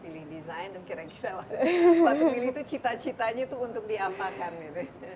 pilih desain dan kira kira waktu milih itu cita citanya itu untuk diapakan gitu